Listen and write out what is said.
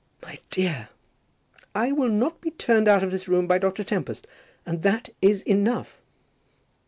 "My dear!" "I will not be turned out of this room by Dr. Tempest; and that is enough."